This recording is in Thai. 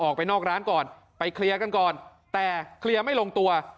ออกไปนอกร้านก่อนไปเคลียร์กันก่อนแต่เคลียร์ไม่ลงตัว